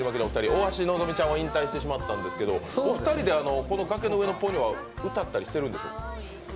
大橋のぞみちゃんは引退してしまったんですけど、お二人で「崖の上のポニョ」は歌ったりしているんですか？